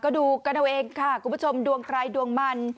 ก็ดูกันเอาเองค่ะคุณผู้ชมดวงใครดวงมัน